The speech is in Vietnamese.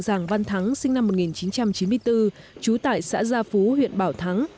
giàng văn thắng sinh năm một nghìn chín trăm chín mươi bốn trú tại xã gia phú huyện bảo thắng